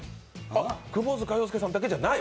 窪塚洋介さんだけじゃない？！